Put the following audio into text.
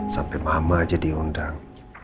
sampai mama aja diundang